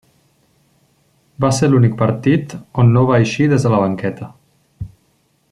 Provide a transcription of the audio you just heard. Va ser l'únic partit on no va eixir des de la banqueta.